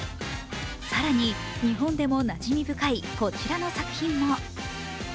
更に日本でもなじみ深い、こちらの作品も。